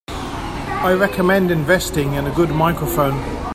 I recommend investing in a good microphone.